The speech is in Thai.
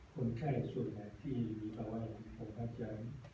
คนแค่ส่วนแหละที่เราว่าคุณโฟฟัสจะ